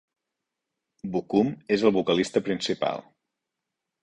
Bocoum és el vocalista principal.